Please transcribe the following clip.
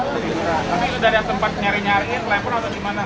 tapi itu dari tempat nyari nyari telepon atau gimana